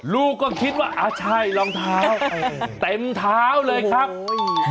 ลูกก็คิดว่าอ่าใช่รองเท้าเต็มเท้าเลยครับ